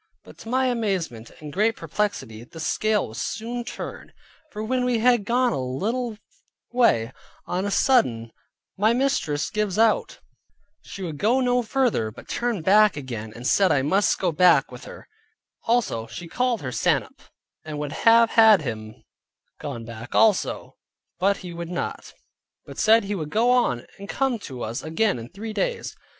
But (to my amazement and great perplexity) the scale was soon turned; for when we had gone a little way, on a sudden my mistress gives out; she would go no further, but turn back again, and said I must go back again with her, and she called her sannup, and would have had him gone back also, but he would not, but said he would go on, and come to us again in three days.